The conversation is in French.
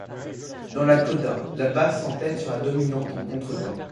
Dans la coda la basse s'entête sur la dominante en contre-temps.